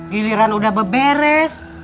giliran udah beberes